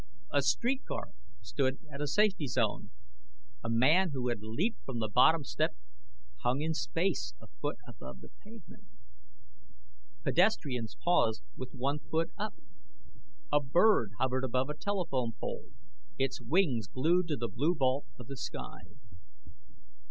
A street car stood at a safety zone; a man who had leaped from the bottom step hung in space a foot above the pavement. Pedestrians paused with one foot up. A bird hovered above a telephone pole, its wings glued to the blue vault of the sky.